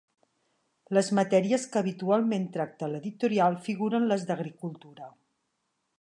Les matèries que habitualment tracta l'editorial figuren les d'Agricultura.